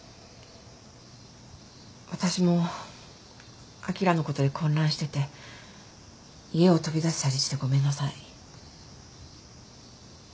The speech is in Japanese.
私もあきらのことで混乱してて家を飛び出したりしてごめんなさい。